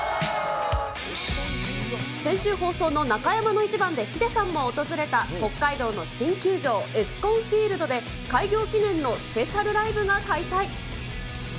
先週放送の中山のイチバンで、ヒデさんも訪れた、北海道の新球場、エスコンフィールドで、開業記念のスペシャルライブが開催。